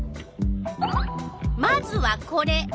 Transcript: まずはこれ。